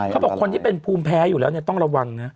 เขาบอกคนที่เป็นภูมิแพ้อยู่แล้วต้องระวัง